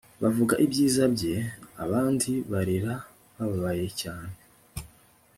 bavuga ibyiza bye abndi barira bababayecyane